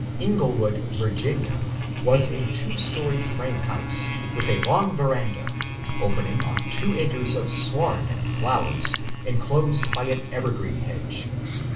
^^ Ingle wood," Virginia, was a two storied frame house, with a long veranda, opening on two acres of sward and flowers enclosed by an evergreen hedge.